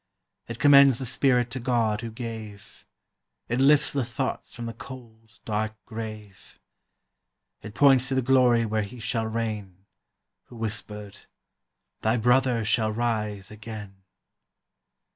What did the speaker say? It commends the spirit to God who gave; It lifts the thoughts from the cold, dark grave; It points to the glory where he shall reign, Who whispered, "Thy brother shall rise again."